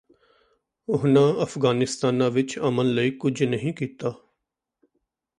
ਉਹਨਾਂ ਅਫਗਾਨਿਸਤਾਨ ਵਿਚ ਅਮਨ ਲਈ ਕੁਝ ਨਹੀਂ ਕੀਤਾ